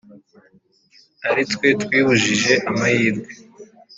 Aritwe twibujije amahirwe